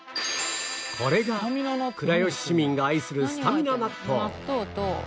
これが倉吉市民が愛するスタミナ納豆